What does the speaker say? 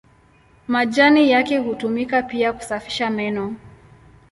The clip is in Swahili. Majani yake hutumika pia kusafisha meno.